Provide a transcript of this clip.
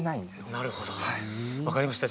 なるほど、分かりました。